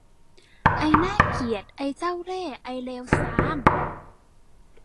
ไอ้น่าเกลียด ไอ้เจ้าเล่ห์ ไอ้เลวทราม !